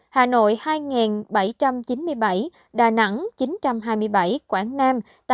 hà nội hai bảy trăm chín mươi bảy đà nẵng chín trăm hai mươi bảy quảng nam